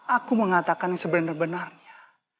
aku mengatakan yang sebenarnya